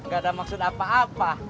gak ada maksud apa apa